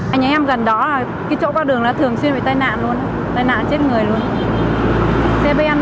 anh em gần đó là cái chỗ qua đường là thường xuyên bị tai nạn luôn tai nạn chết người luôn